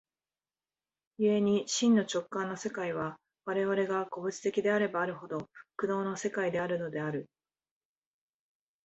故に真の直観の世界は、我々が個物的であればあるほど、苦悩の世界であるのである。